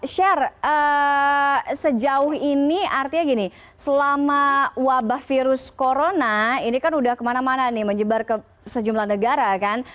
sher sejauh ini artinya gini selama wabah virus corona ini kan udah kemana mana nih menyebar ke sejumlah negara kan